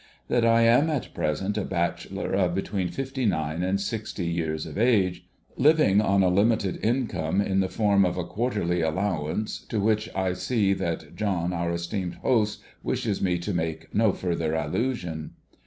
That I am at present a bachelor of between fifty nine and sixty years of age, living on a limited income in the form of a quarterly allowance, to which I see that John our esteemed host wishes me to make no further allusion.